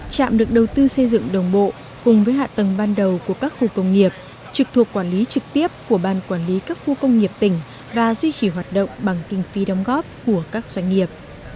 trạm được đầu tư xây dựng đồng bộ cùng với hạ tầng ban đầu của các khu công nghiệp trực thuộc quản lý trực tiếp của ban quản lý các khu công nghiệp tỉnh và duy trì hoạt động bằng kinh phi đóng góp của các doanh nghiệp